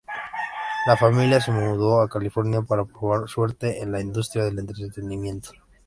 La familia se mudó a California para probar suerte en la industria del entretenimiento.